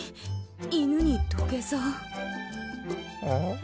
犬に土下座？